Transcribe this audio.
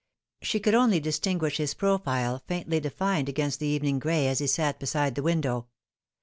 She could only distinguish his profile faintly defined against the evening gray as he sat beside the window.